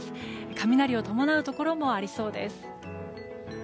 雷を伴うところもありそうです。